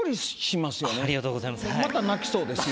ありがとうございます。